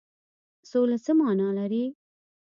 سوله څه معنی لري؟